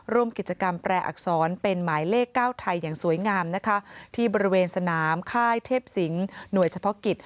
ร่วมกิจกรรมแปรอักษรเป็นหมายเลข๙ไทยอย่างสวยงามนะคะที่บริเวณสนามค่ายเทพศิงหน่วยเฉพาะกิจ